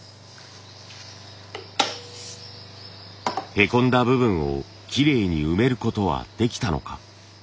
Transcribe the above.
へこんだ部分をきれいに埋めることはできたのか。